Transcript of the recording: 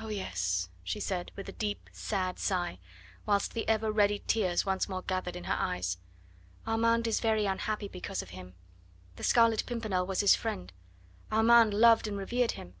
"Oh, yes!" she said with a deep, sad sigh, whilst the ever ready tears once more gathered in her eyes, "Armand is very unhappy because of him. The Scarlet Pimpernel was his friend; Armand loved and revered him.